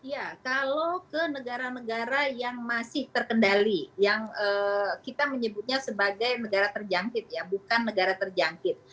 ya kalau ke negara negara yang masih terkendali yang kita menyebutnya sebagai negara terjangkit ya bukan negara terjangkit